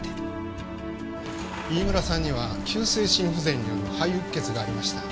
飯村さんには急性心不全による肺鬱血がありました。